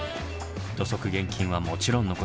土足厳禁はもちろんのこと